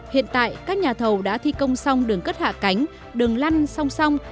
hiện tại các nhà thầu đã thi công xong đường cất hạ cánh đường lăn song song